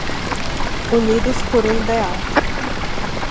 Unidos por um ideal